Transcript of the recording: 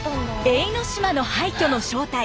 永ノ島の廃虚の正体